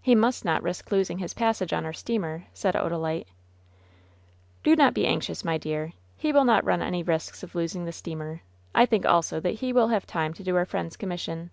"He must not risk losing his passage on our steamer," said Odalite. "Do not be anxious, my dear; he will not run any risks of losing the steamer. I think, also, that he will have time to do our friend's commission.